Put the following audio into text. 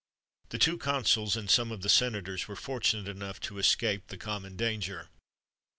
The two consuls and some of the senators were fortunate enough to escape the common danger.